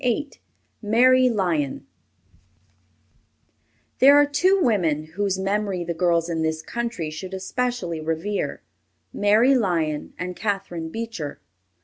There are two women whose memory the girls in this country should especially revere, Mary Lyon and Catharine Beecher.